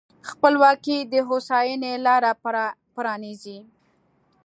خپلواکي د هوساینې لاره پرانیزي.